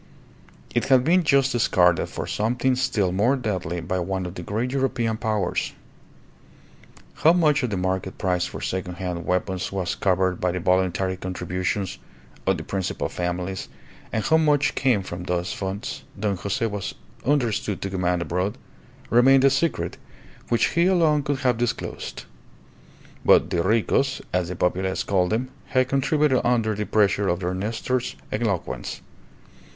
It had been just discarded for something still more deadly by one of the great European powers. How much of the market price for second hand weapons was covered by the voluntary contributions of the principal families, and how much came from those funds Don Jose was understood to command abroad, remained a secret which he alone could have disclosed; but the Ricos, as the populace called them, had contributed under the pressure of their Nestor's eloquence.